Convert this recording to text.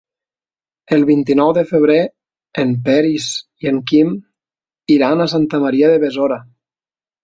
El vint-i-nou de febrer en Peris i en Quim iran a Santa Maria de Besora.